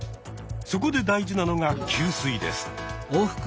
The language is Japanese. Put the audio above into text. そこで大事なのが給水です。